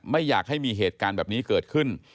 ไม่อยากให้มีเหตุการณ์แบบนี้เกิดขึ้น